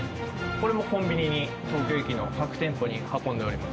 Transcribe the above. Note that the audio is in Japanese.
これもコンビニに東京駅の各店舗に運んでおります。